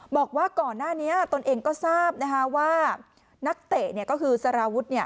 บอกว่าก่อนหน้านี้ตนเองก็ทราบว่านักเตะก็คือสารวุฒิ